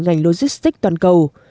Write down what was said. ngành logistic toàn cầu